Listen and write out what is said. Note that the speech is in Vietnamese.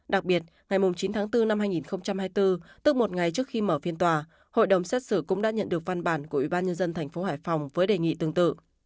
đặc biệt ngày chín tháng bốn năm hai nghìn hai mươi bốn tức một ngày trước khi mở phiên tòa hội đồng xét xử cũng đã nhận được văn bản của ủy ban nhân dân tp hải phòng với đề nghị tương tự